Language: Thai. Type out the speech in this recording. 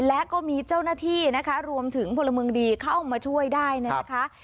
และก็มีเจ้าหน้าที่นะคะรวมถึงพลเมืองดีเข้ามาช่วยได้เนี่ยนะคะ